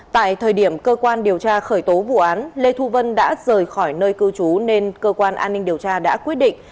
tại thời điểm cơ quan điều tra khởi tố vụ án lê thu vân đã rời khỏi nơi cư trú nên cơ quan an ninh điều tra đã quyết định